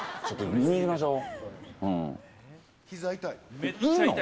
ちょっと見に行きましょう。